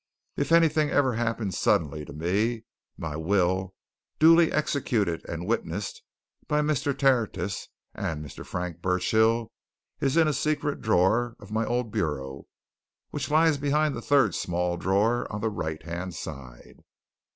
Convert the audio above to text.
"If anything ever happens suddenly to me, my will, duly executed and witnessed by Mr. Tertius and Mr. Frank Burchill, is in a secret drawer of my old bureau which lies behind the third small drawer on the right hand side.